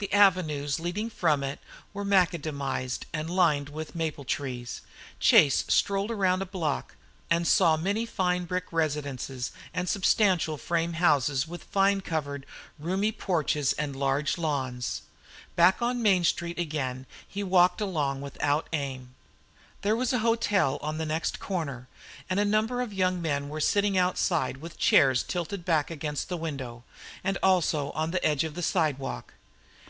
The avenues leading from it were macadamized and lined with maple trees. Chase strolled round a block and saw many fine brick residences and substantial frame houses with vine covered, roomy porches and large lawns. Back on Main Street again he walked along without aim. There was a hotel on the next corner, and a number of young men were sitting outside with chairs tilted back against the window, and also on the edge of the sidewalk.